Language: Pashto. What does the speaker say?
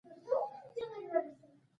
سلطان مسعود دا مستي په غزني کې کوي.